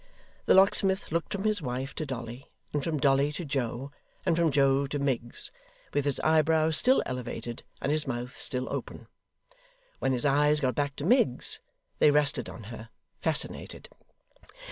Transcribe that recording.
The locksmith looked from his wife to Dolly, and from Dolly to Joe, and from Joe to Miggs, with his eyebrows still elevated and his mouth still open. When his eyes got back to Miggs, they rested on her; fascinated.